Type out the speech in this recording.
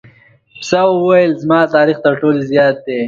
پسه وویل زما تاریخ تر ټولو زیات دی.